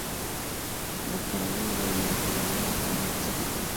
د کره والي او نا کره والي په اړه څه فکر کوؽ